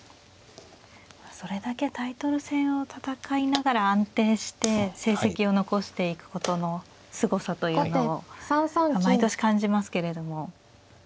それだけタイトル戦を戦いながら安定して成績を残していくことのすごさというのを毎年感じますけれども。